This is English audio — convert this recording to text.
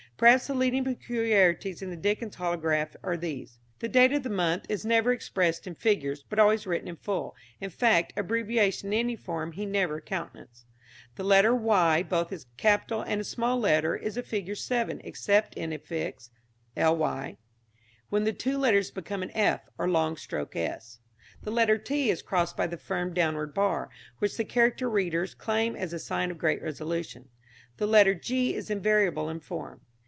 Perhaps the leading peculiarities in the Dickens holograph are these: The date of the month is never expressed in figures, but always written in full; in fact, abbreviation in any form he never countenanced. The letter y, both as a capital and a small letter is a figure 7 except in the affix "ly," when the two letters become an f or long stroke s. The letter t is crossed by the firm downward bar, which the character readers claim as a sign of great resolution. Letter g is invariable in form.